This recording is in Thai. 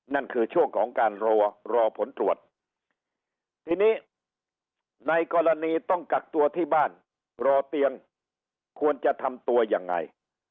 นั่นคือช่วงของการรอรอผลตรวจทีนี้ในกรณีต้องกักตัวที่บ้านรอเตียงควรจะทำตัวยังไง